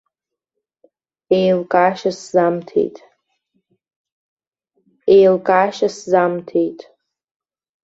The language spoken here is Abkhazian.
Еилкаашьа сзамҭеит.